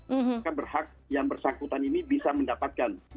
maka berhak yang bersangkutan ini bisa mendapatkan